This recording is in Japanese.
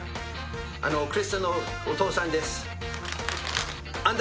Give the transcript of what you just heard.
あのクリスタのお父さんです。